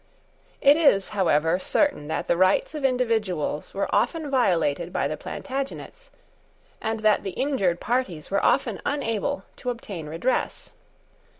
It is, however, certain that the rights of individuals were often violated by the Plantagenets, and that the injured parties were often unable to obtain redress.